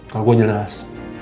kalau gue jelas